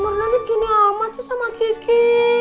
warnanya gini amat sih sama kiki